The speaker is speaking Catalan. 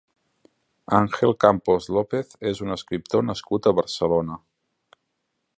Ángel Campos López és un escriptor nascut a Barcelona.